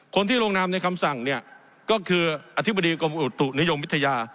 คนที่ลงนามในคำสั่งเนี่ยก็คืออธิบดีกรมอุตุนิยมวิทยา